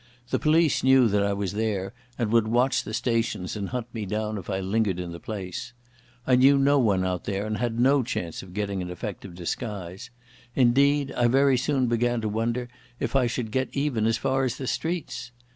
The police knew that I was there and would watch the stations and hunt me down if I lingered in the place. I knew no one there and had no chance of getting an effective disguise. Indeed I very soon began to wonder if I should get even as far as the streets.